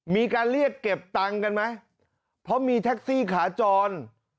มีการเรียกเก็บตังค์กันไหมเพราะมีแท็กซี่ขาจร